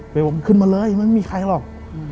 เป้ว่าขึ้นมาเลยมันไม่มีใครหรอก